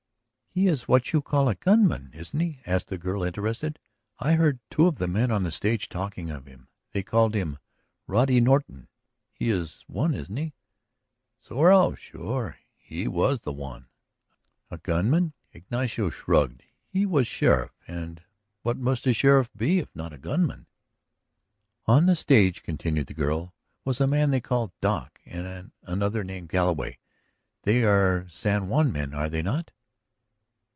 "He is what you call a gunman, isn't he?" asked the girl, interested. "I heard two of the men on the stage talking of him. They called him Roddy Norton; he is the one, isn't he?" Seguro; sure, he was the one. A gunman? Ignacio shrugged. He was sheriff, and what must a sheriff be if not a gunman? "On the stage," continued the girl, "was a man they called Doc; and another named Galloway. They are San Juan men, are they not?"